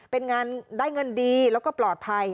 เป็นงานได้เงินดีแล้วก็ปลอดภัย